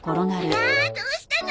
あらどうしたの？